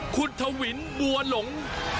คุณทวินบัวหลง